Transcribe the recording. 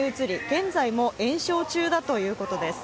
現在も延焼中だということです。